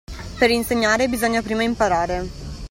Per insegnare bisogna prima imparare.